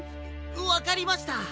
わかりました。